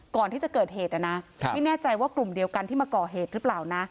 ก่อนที่จะเกิดเหตุนะนะไม่แน่ใจว่ากลุ่มเดียวกันที่มาก่อเหตุหรือเปล่านะ